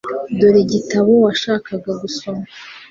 Dore igitabo washakaga gusoma .